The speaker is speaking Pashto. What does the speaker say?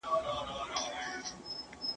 کوم هیواد غواړي کډوال نور هم پراخ کړي؟